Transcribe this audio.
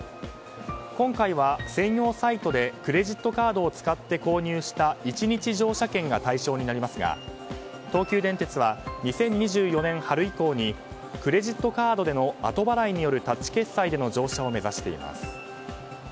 今回は専用サイトでクレジットカードを使って購入した１日乗車券が対象になりますが東急電鉄は２０２４年春以降にクレジットカードの後払いによるタッチ決済での乗車を目指しています。